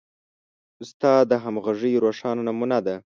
استاد د همغږۍ روښانه نمونه ده.